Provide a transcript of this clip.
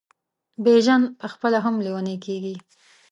بیژن پخپله هم لېونی کیږي.